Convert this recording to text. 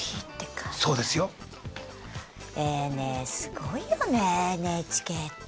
えねえすごいよねＮＨＫって。